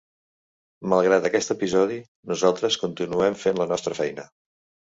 Malgrat aquest episodi, nosaltres continuem fent la nostra feina.